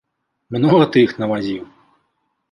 Многа ты іх навазіў?!